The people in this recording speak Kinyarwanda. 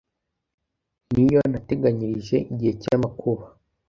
ni yo nateganyirije igihe cy'amakuba